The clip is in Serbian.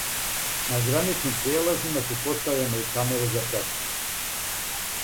На граничним пријелазима су постављене и камере за праћење.